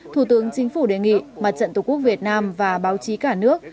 thủ tướng chính phủ đề nghị mặt trận tqvn và báo chí cả nước